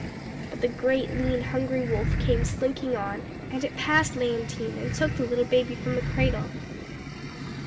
"But the great, lean, hungry wolf came slinking on and it passed Léontine, and took the little baby from the cradle.